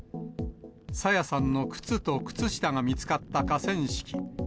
朝芽さんの靴と靴下が見つかった河川敷。